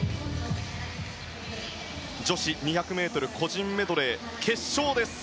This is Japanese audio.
女子２００ｍ個人メドレー決勝。